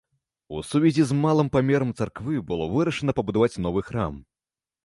У сувязі з малым памерам царквы было вырашана пабудаваць новы храм.